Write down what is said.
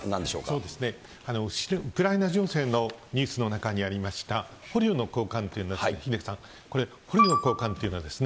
そうですね、ウクライナ情勢のニュースの中にありました、捕虜の交換というの、ヒデさん、これ、捕虜の交換というのはです